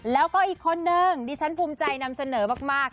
แล้วก็อีกคนนึงดิฉันภูมิใจนำเสนอมาก